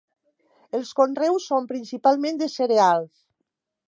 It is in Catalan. Els conreus són principalment de cereals.